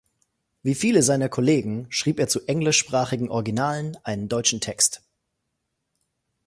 Wie viele seiner Kollegen schrieb er zu englischsprachigen Originalen einen deutschen Text.